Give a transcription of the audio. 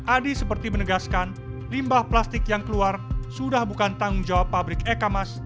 adi seperti menegaskan limbah plastik yang keluar sudah bukan tanggung jawab pabrik eka mas